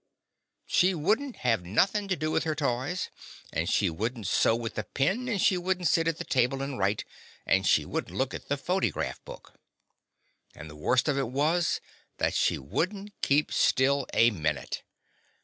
She would n't have nothing to do with her toys, and she would n't sew with a pin, and she would' n't sit at the table and write, and she would n't look at the photy graf t book. And the worst of it was that she would n't keep still a minute.